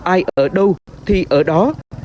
ai ở đâu thì ở đó